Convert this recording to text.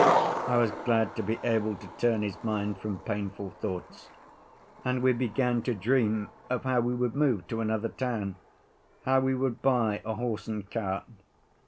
I was glad to be able to turn his mind from painful thoughts, and we began to dream of how we would move to another town, how we would buy a horse and cart.